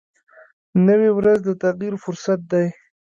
نوې ورځ د تغیر فرصت دی